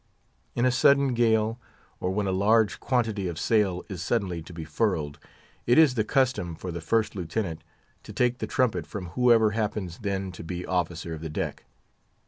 In a sudden gale, or when a large quantity of sail is suddenly to be furled, it is the custom for the First Lieutenant to take the trumpet from whoever happens then to be officer of the deck.